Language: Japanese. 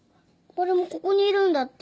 マルモここにいるんだって。